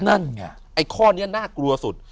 ไอ้ข้อนี้น่ากลัวสุด